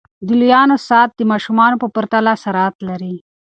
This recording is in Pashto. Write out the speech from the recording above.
د لویانو ساعت د ماشومانو په پرتله سرعت لري.